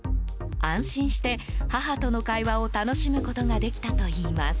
安心して、母との会話を楽しむことができたといいます。